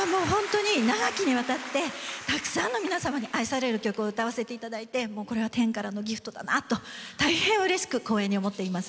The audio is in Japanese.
長きにわたってたくさんの皆様に愛される曲を歌わせていただいて、これは天からのギフトだなと大変うれしく光栄に思っています。